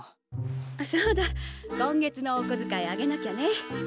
そうだ今月のおこづかいあげなきゃね。